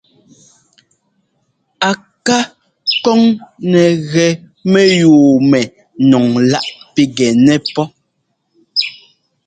A ká kɔŋ nɛ gɛ mɛyúu mɛ nɔŋláꞌ pigɛnɛ pɔ́.